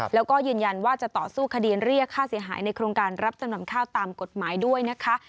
แล้วก็ยืนยันว่าจะต่อสู้คดีเรียกค่าเสียหายในโครงการรับจำนำข้าวตามกฎหมายด้วยนะคะ